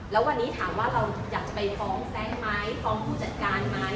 แล้ววันนี้ถามว่าเราอยากจะไปฟ้องแซงไหมฟ้องผู้จัดการไหม